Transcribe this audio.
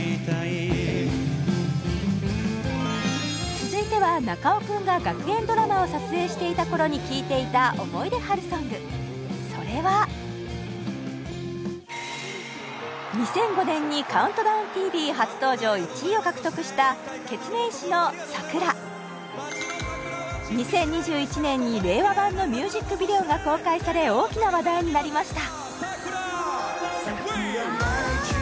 続いては中尾くんが学園ドラマを撮影していた頃に聴いていた思い出春ソングそれは２００５年に「ＣＤＴＶ」初登場１位を獲得した２０２１年に令和版のミュージックビデオが公開され大きな話題になりました